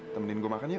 temenin gue makan yuk